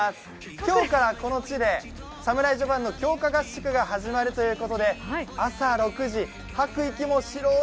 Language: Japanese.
今日からこの地で侍ジャパンの強化合宿が始まるということで朝６時、吐く息も白い